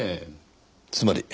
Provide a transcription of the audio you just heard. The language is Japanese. つまり。